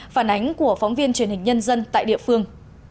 phản ánh của phóng viên truyền hình nhân dân tại địa phương